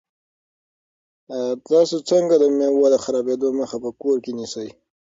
تاسو څنګه د مېوو د خرابېدو مخه په کور کې نیسئ؟